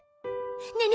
ねえねえ